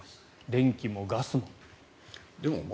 電気もガスも。